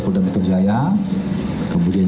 polda metro jaya kemudian